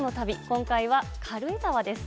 今回は軽井沢です。